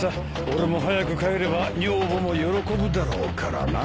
俺も早く帰れば女房も喜ぶだろうからな。